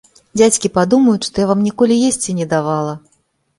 Дзядзькі падумаюць, што я вам ніколі есці не давала!